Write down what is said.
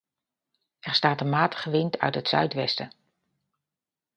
Er staat een matige wind uit het zuidwesten.